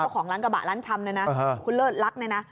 ของร้านกระบะร้านชำเนี่ยนะคุณเลิศลักษณ์เนี่ยนะ